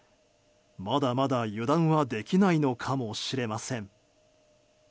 まだまだ油断はできないのかもしれません。